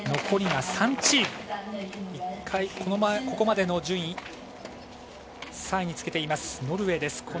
残りが３チーム、ここまでの順位３位につけていますノルウェーです。